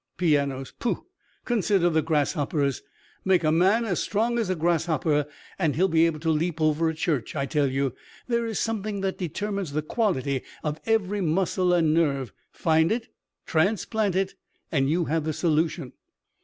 "Pianos! Pooh! Consider the grasshoppers. Make a man as strong as a grasshopper and he'll be able to leap over a church. I tell you, there is something that determines the quality of every muscle and nerve. Find it transplant it and you have the solution."